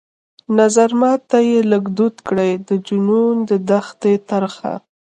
نظرمات ته يې لږ دود کړى د جنون د دښتي ترخه